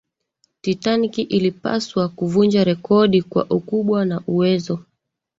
titanic ilipaswa kuvunja rekodi kwa ukubwa na uwezo